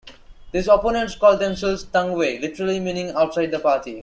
These opponents called themselves "Tangwai", literally meaning "outside the party".